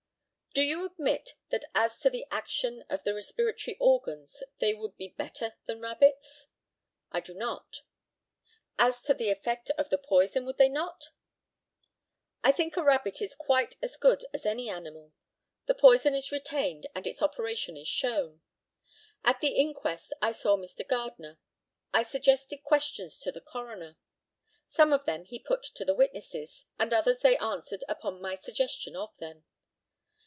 Do you admit that as to the action of the respiratory organs they would be better than rabbits? I do not. As to the effect of the poison would they not? I think a rabbit is quite as good as any animal. The poison is retained and its operation is shown. At the inquest I saw Mr. Gardner. I suggested questions to the coroner. Some of them he put to the witnesses, and others they answered upon my suggestion of them.